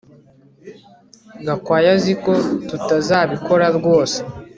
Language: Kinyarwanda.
Gakwaya azi ko tutazabikora rwose